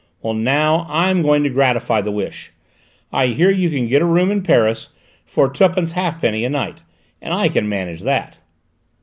Well, now I'm going to gratify the wish. I hear you can get a room in Paris for twopence halfpenny a night, and I can manage that."